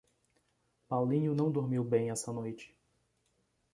Paulinho não dormiu bem essa noite